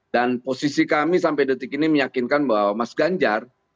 dan posisi kami sampai detik ini meyakinkan bahwa mas ganjar